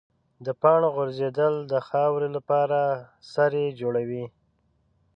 د پاڼو غورځېدل د خاورې لپاره سرې جوړوي.